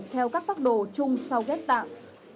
theo các phác đồ chung sau ghép tạng